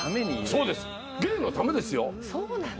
そうです芸のためですよ。